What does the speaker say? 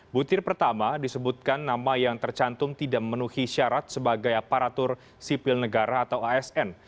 butir pertama disebutkan nama yang tercantum tidak memenuhi syarat sebagai aparatur sipil negara atau asn